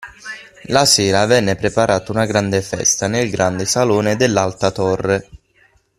La sera venne preparata una grande festa nel grande salone dell’Alta Torre.